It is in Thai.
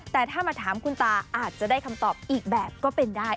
แต่ถ้ามาถามคุณตาอาจจะได้คำตอบอีกแบบก็เป็นได้